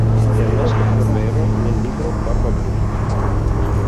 Ernesto Ferrero nel libro "Barbablù.